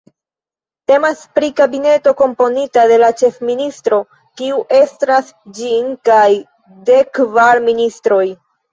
Temas pri kabineto komponita de la Ĉefministro, kiu estras ĝin, kaj dekkvar ministroj.